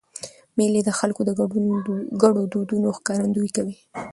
مېلې د خلکو د ګډو دودونو ښکارندویي کوي.